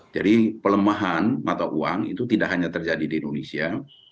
jadi pelemahan mata uang itu tidak hanya terjadi di indonesia